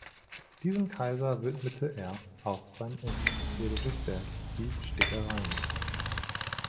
Diesem Kaiser widmete er auch sein enzyklopädisches Werk, die "Stickereien".